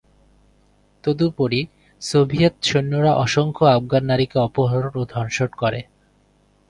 তদুপরি, সোভিয়েত সৈন্যরা অসংখ্য আফগান নারীকে অপহরণ ও ধর্ষণ করে।